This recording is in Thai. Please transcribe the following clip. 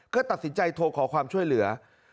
ก็ตัดสินใจโทรขอความช่วยเหลือ